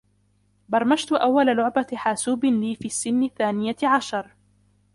برمجتُ أول لعبة حاسوب لي في سن الثانية عشر.